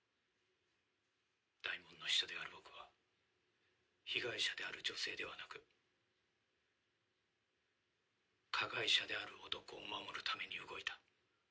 大門の秘書である僕は被害者である女性ではなく加害者である男を守るために動いた。